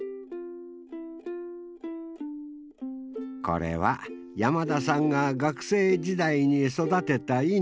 これは山田さんが学生時代に育てた稲。